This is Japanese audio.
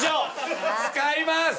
使います。